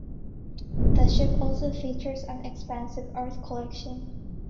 The ship also features an expansive art collection.